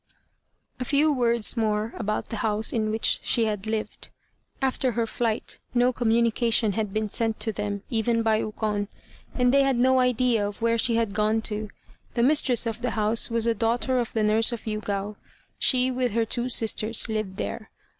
A few words more about the house in which she had lived. After her flight no communication had been sent to them even by Ukon, and they had no idea of where she had gone to. The mistress of the house was a daughter of the nurse of Yûgao. She with her two sisters lived there.